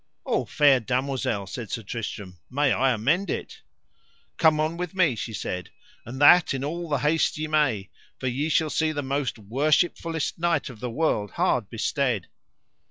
O fair damosel, said Sir Tristram, may I amend it. Come on with me, she said, and that in all the haste ye may, for ye shall see the most worshipfullest knight of the world hard bestead.